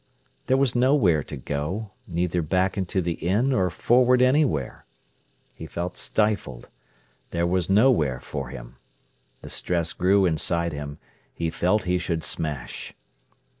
There was nowhere to go, neither back into the inn, or forward anywhere. He felt stifled. There was nowhere for him. The stress grew inside him; he felt he should smash.